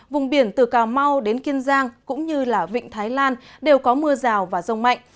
vùng biển từ cà mau đến kiên giang cũng như vịnh thái lan đều có mưa rào và rông mạnh